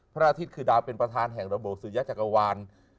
พระอาทิตย์คือดาวเป็นประธานแห่งระบบสุริยจักรวาล